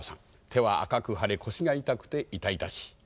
手は赤く腫れ腰が痛くて痛々しい。